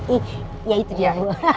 ih ya itu dia